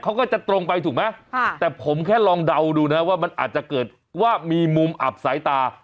เขาก็จะตรงไปถูกไหมแต่ผมแค่ลองเดาดูนะว่ามันอาจจะเกิดว่ามีมุมอับสายตา